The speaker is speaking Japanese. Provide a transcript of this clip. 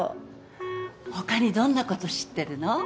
他にどんなこと知ってるの？